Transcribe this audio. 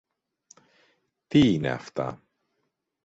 Τί είναι αυτά!